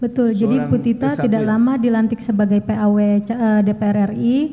betul jadi bu tita tidak lama dilantik sebagai paw dpr ri